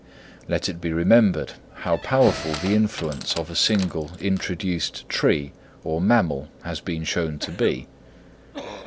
Let it be remembered how powerful the influence of a single introduced tree or mammal has been shown to be.